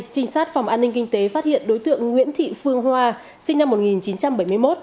trinh sát phòng an ninh kinh tế phát hiện đối tượng nguyễn thị phương hoa sinh năm một nghìn chín trăm bảy mươi một